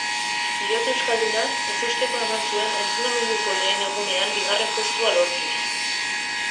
Pilotu euskaldunak ezustekoa eman zuen entrenamenduetako lehen egunean bigarren postua lortuz.